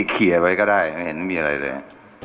เขียนไว้ก็ได้ไม่เห็นมีอะไรเลย